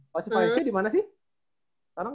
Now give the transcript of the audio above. kalau si valencia dimana sih